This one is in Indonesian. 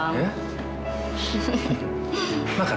makan makan makan